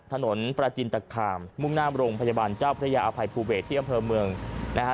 ถนนปราจินตะคามมุ่งนามรงค์พยาบาลเจ้าพระยาอภัยภูเบตเที่ยวเผลอเมืองนะฮะ